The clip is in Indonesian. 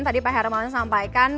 tadi pak hermawan sampaikan